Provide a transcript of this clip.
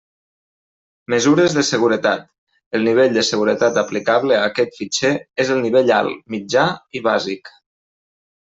Mesures de seguretat: el nivell de seguretat aplicable a aquest fitxer és el nivell alt, mitjà i bàsic.